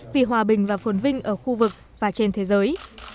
vì hòa bình và phồn vinh ở khu vực và trên thế giới